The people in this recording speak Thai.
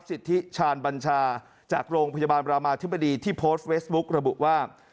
สิทธิชาญบัญชาจากโรงพยาบาลรามาธิบดีที่โพสต์เฟซบุ๊กระบุว่า